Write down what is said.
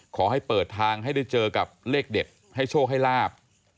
ขอให้เปิดทางให้ได้เจอกับเลขเด็ดให้โชคให้ลาบ